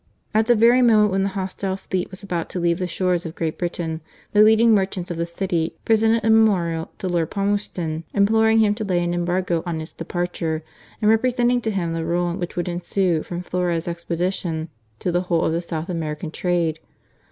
At the very moment when the hostile fleet was about to leave the shores of Great Britain, the lead ing merchants of the City presented a memorial to Lord Palmerston, imploring him to lay an embargo on its departure, and representing to him the ruin which would ensue from Flores expedition to the whole of the South American trade.